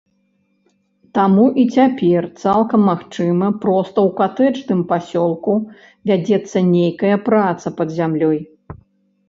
Таму і цяпер цалкам магчыма проста ў катэджным пасёлку вядзецца нейкая праца пад зямлёй.